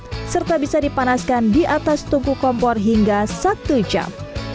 serta bisa dipanaskan di atas tungku kompor hingga satu jam